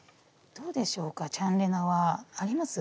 どうでしょうかチャンレナはあります？